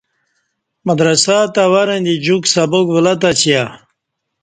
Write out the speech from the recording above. مدرسہ تہ ورں دی جوک سبق ولہ تسیا